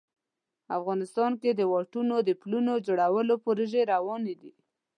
افغانستان کې د واټونو او پلونو د جوړولو پروژې روانې دي